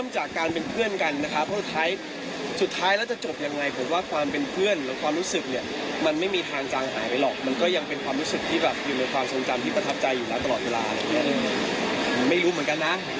ใช่มั้ยยืนยันหน่อย